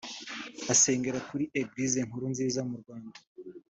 asengera kuri eglise inkuru nziza mu rwanda